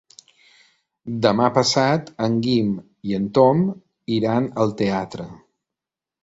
Demà passat en Guim i en Tom iran al teatre.